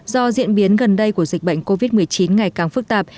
do diễn biến gần đây của dịch bệnh covid một mươi chín ngày càng phức tạp